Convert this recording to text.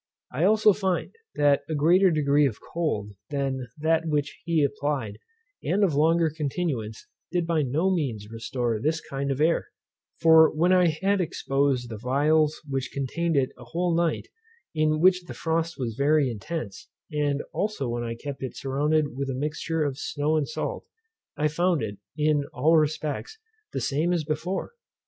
I also find, that a greater degree of cold than that which he applied, and of longer continuance, did by no means restore this kind of air: for when I had exposed the phials which contained it a whole night, in which the frost was very intense; and also when I kept it surrounded with a mixture of snow and salt, I found it, in all respects, the same as before.